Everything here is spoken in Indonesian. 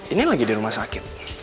ini lagi di rumah sakit